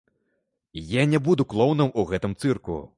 Я не буду клоунам у гэтым цырку!